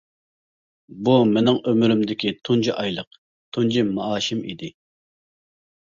بۇ مېنىڭ ئۆمرۈمدىكى تۇنجى ئايلىق، تۇنجى مائاشىم ئىدى.